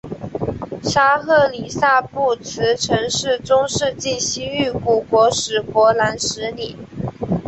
沙赫里萨布兹曾是中世纪西域古国史国南十里。